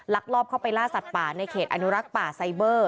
ลอบเข้าไปล่าสัตว์ป่าในเขตอนุรักษ์ป่าไซเบอร์